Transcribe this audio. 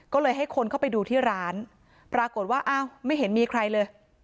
ก็เลยให้คนเข้าไปดูที่ร้านปรากฏว่าอ้าวไม่เห็นมีใครเลย